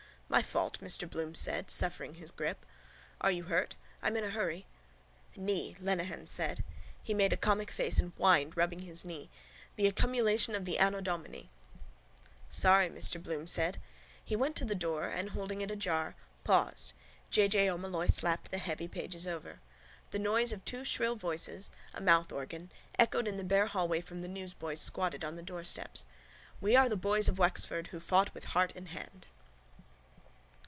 —My fault, Mr Bloom said, suffering his grip. Are you hurt? I'm in a hurry. —Knee, Lenehan said. He made a comic face and whined, rubbing his knee: —The accumulation of the anno Domini. —Sorry, Mr Bloom said. He went to the door and, holding it ajar, paused. J. J. O'Molloy slapped the heavy pages over. The noise of two shrill voices, a mouthorgan, echoed in the bare hallway from the newsboys squatted on the doorsteps: We are the boys of Wexford Who fought with heart and hand.